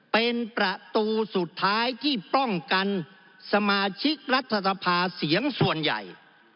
เป็นประตูสุดท้ายที่ป้องกันสมาชิกรัฐสภาเสียงส่วนใหญ่